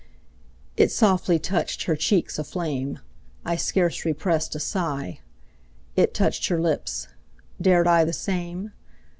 It softly touched her cheeks aflame. I scarce repressed a sigh. It touched her lips. Dared I the same?